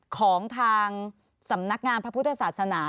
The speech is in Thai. ของทางสำนักงานพระพุทธศาสนา